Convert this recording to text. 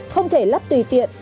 không thể lắp tùy tiện